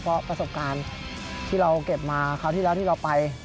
เพราะประสบการณ์ที่เราเก็บมาคราวที่แล้วที่เราไป